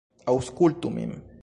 Aŭskultu min!